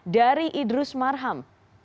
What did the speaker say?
dari idrus marham